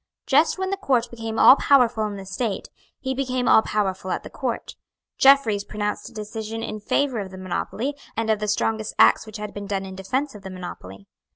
Just when the Court became all powerful in the State, he became all powerful at the Court. Jeffreys pronounced a decision in favour of the monopoly, and of the strongest acts which had been done in defence of the monopoly.